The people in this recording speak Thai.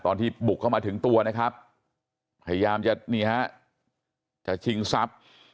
ตอนที่บุกเข้ามาถึงตัวนะครับพยายามจะนี่ฮะจะชิงทรัพย์